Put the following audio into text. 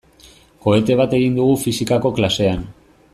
Kohete bat egin dugu fisikako klasean.